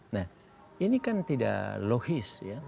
nah ini kan tidak logis ya